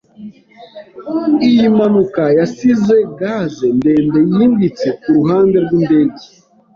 Iyi mpanuka yasize gaze ndende, yimbitse kuruhande rwindege.